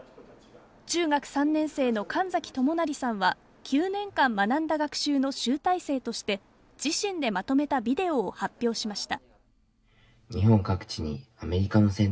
中学３年生の神崎智也さんは９年間学んだ学習の集大成として自身でまとめたビデオを発表しました。